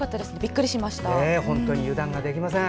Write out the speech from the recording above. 本当に油断ができません。